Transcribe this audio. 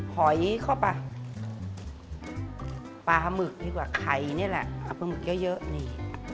หอยเข้าไปปลาหมึกดีกว่าไข่นี่แหละเอาปลาหมึกเยอะนี่